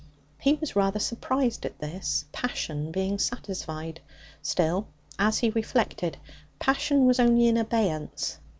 He was rather surprised at this, passion being satisfied. Still, as he reflected, passion was only in abeyance.